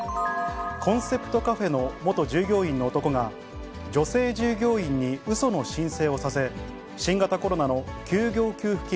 コンセプトカフェの元従業員の男が、女性従業員にうその申請をさせ、新型コロナの休業給付金